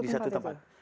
di satu tempat